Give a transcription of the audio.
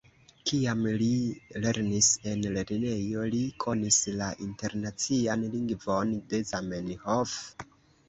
Kiam li lernis en lernejo, li konis la internacian lingvon de Zamenhof.